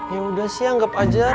ya udah sih anggap aja